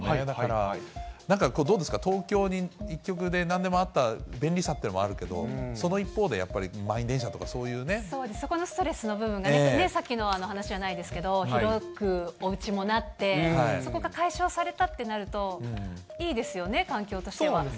だから、なんかどうですか、東京に一極で、なんでもあった便利さというのもあるけれども、その一方で、やっぱり満員電車とか、そういうそこのストレスのところが、さっきの話じゃないですけれども、広くおうちもなって、そこが解消されたってなると、いいですよね、環境としては。